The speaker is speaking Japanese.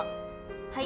はい。